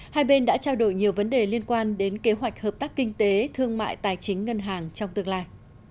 hai bên đã trao đổi nhiều vấn đề liên quan đến kế hoạch hợp tác kinh tế thương mại tài chính ngân hàng trong tương lai